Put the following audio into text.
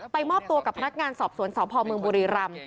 มอบตัวกับพนักงานสอบสวนสพเมืองบุรีรำ